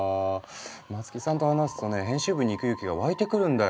松木さんと話すとね編集部に行く勇気が湧いてくるんだよ。